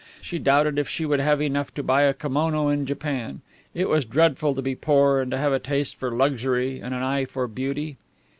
She doubted if she would have enough to buy a kimono in Japan. It was dreadful to be poor and to have a taste for luxury and an eye for beauty.